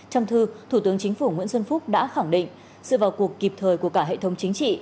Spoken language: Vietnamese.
trong thư thủ tướng chính phủ nguyễn xuân phúc đã khẳng định sự vào cuộc kịp thời của cả hệ thống chính trị